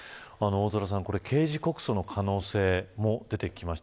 大空さん、刑事告訴の可能性も出てきました。